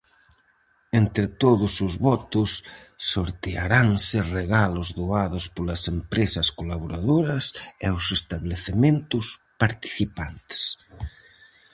Entre todos os votos sortearanse regalos doados polas empresas colaboradoras e os establecementos participantes.